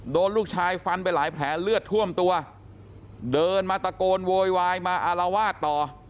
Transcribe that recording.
โดนลูกชายฟันไปหลายแผลเลือดท่วมตัวเดินมาตะโกนโวยวายมาอารวาสต่อ